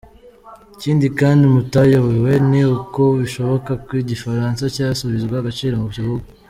Ikindi kandi mutayobewe ni uko bishoboka ko igifaransa cyasubizwa agaciro mu gihugu.